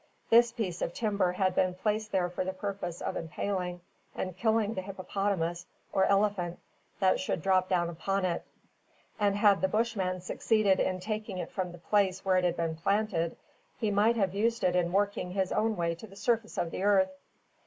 This piece of timber had been placed there for the purpose of impaling and killing the hippopotamus or elephant that should drop down upon it; and had the Bushman succeeded in taking it from the place where it had been planted, he might have used it in working his own way to the surface of the earth.